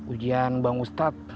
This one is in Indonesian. ujian bang ustad